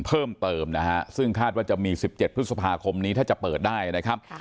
เพิ่มเติมนะฮะซึ่งคาดว่าจะมี๑๗พฤษภาคมนี้ถ้าจะเปิดได้นะครับ